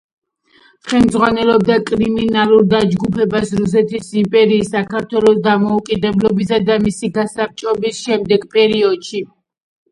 ხელმძღვანელობდა კრიმინალურ დაჯგუფებას რუსეთის იმპერიის, საქართველოს დამოუკიდებლობისა და მისი გასაბჭოების შემდგომ პერიოდებში.